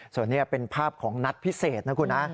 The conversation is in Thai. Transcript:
ส่วนนี้เป็นภาพของนัดพิเศษนะคุณนะ